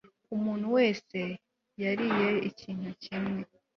umuntu wese yariye ikintu kimwe